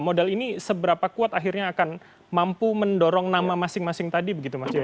modal ini seberapa kuat akhirnya akan mampu mendorong nama masing masing tadi begitu mas ya